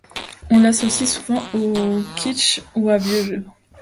On l'associe souvent à kitsch ou à vieux-jeu.